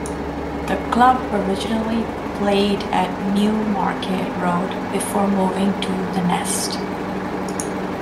The club originally played at Newmarket Road before moving to The Nest.